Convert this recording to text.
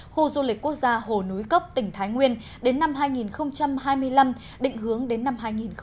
khu du lịch quốc gia hồ núi cốc tỉnh thái nguyên đến năm hai nghìn hai mươi năm định hướng đến năm hai nghìn ba mươi